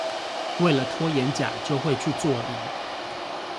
為了拖延甲就會去做乙